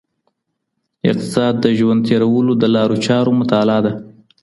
اقتصاد د ژوند تېرولو د لارو چارو مطالعه ده.